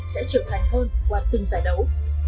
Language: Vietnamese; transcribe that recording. sẽ trưởng thành hơn qua từng giải đấu